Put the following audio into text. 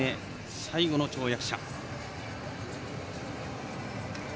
最後の跳躍。